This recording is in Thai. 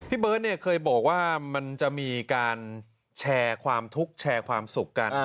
เบิร์ตเนี่ยเคยบอกว่ามันจะมีการแชร์ความทุกข์แชร์ความสุขกัน